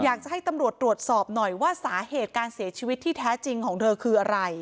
อยากจะให้ตำรวจตรวจสอบหน่อยว่าสาเหตุการเสียชีวิตที่แท้จริงของเธอคืออะไร